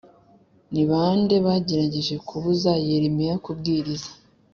Ni ba nde bagerageje kubuza yeremiya kubwiriza